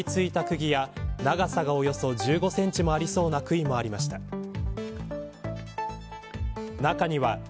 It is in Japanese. さびついたくぎや長さ１５センチもありそうなくいもありました。